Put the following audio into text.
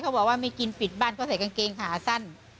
บอกว่าไม่กินปิดบ้านเขาใส่กางเกงขาสั้น